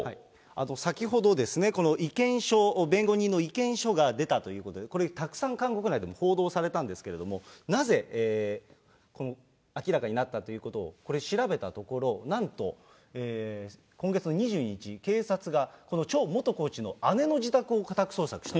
先ほど、弁護人の意見書が出たということで、これ、たくさん韓国内でも報道されたんですけれども、なぜ、明らかになったかということをこれ、調べたところ、なんと、今月の２２日、警察がこのチョ元コーチの姉の自宅を家宅捜索した。